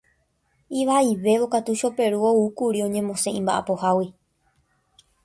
Ivaivévo katu Choperu oúkuri oñemosẽ imba'apohágui.